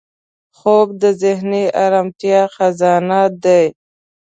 خوب د ذهني ارامتیا خزان دی